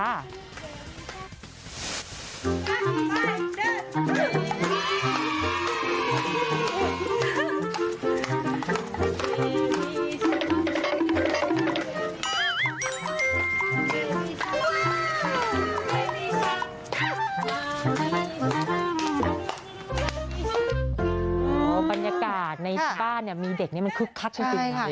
โหบรรยากาศในบ้านเนี่ยมีเด็กนี้มันคึกคัตอยู่สิขนาฬิกา